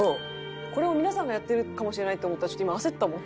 これを皆さんがやってるかもしれないって思ったらちょっと今焦ったもん。